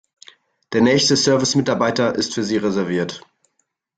Der nächste Service-Mitarbeiter ist für Sie reserviert.